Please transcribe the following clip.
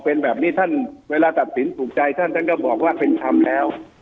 เป็นแบบนี้ท่านเวลาตัดสินถูกใจท่านท่านก็บอกว่าเป็นธรรมแล้ว